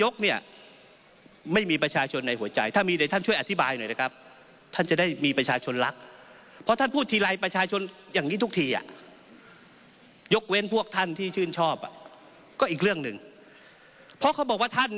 กล่าวหาท่านนายกครับ